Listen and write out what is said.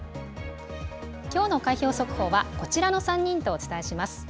きょうの開票速報は、こちらの３人とお伝えします。